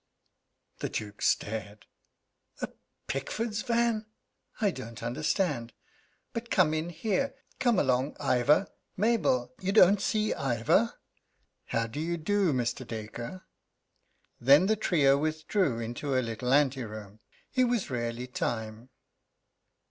The Duke stared: "A Pickford's van? I don't understand. But come in here. Come along, Ivor. Mabel, you don't see Ivor." "How do you do, Mr. Dacre?" Then the trio withdrew into a little ante room; it was really time.